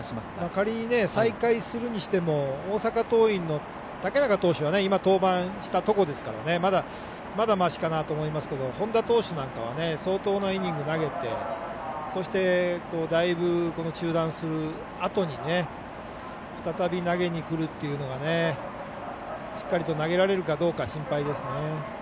仮に再開するにしても大阪桐蔭の竹中投手は今、登板したところですからまだ、ましかなと思いますけど本田投手なんかは相当なイニングを投げてそして、だいぶ中断したあとに再び投げにくるというのがしっかりと投げられるかどうか心配ですね。